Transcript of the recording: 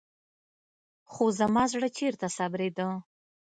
خو زما زړه چېرته صبرېده.